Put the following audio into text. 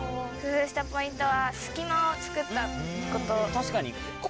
確かに。